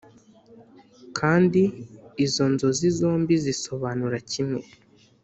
kandi izo nzozi zombi zisobanura kimwe